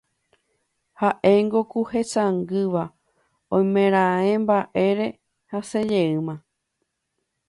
Ha'éngo ku hesangýva oimeraẽ mba'ére hasẽjeýma